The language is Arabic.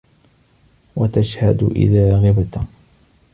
وَتَشْهَدُ إذَا غِبْتَ